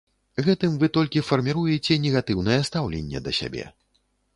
Гэтым вы толькі фарміруеце негатыўнае стаўленне да сябе.